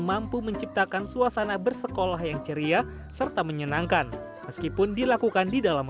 mampu menciptakan suasana bersekolah yang ceria serta menyenangkan meskipun dilakukan di dalam